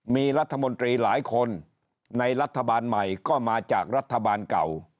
มีรัฐมนตรีหลายคนในรัฐบาลใหม่ก็มาจากรัฐบาลเก่า